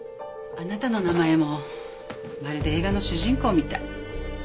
あなたの名前もまるで映画の主人公みたい。